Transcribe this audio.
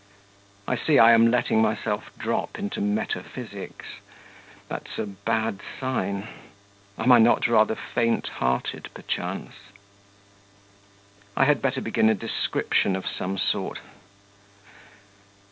I see I am letting myself drop into metaphysics; that's a bad sign am I not rather faint hearted, perchance? I had better begin a description of some sort.